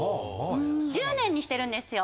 １０年にしてるんですよ。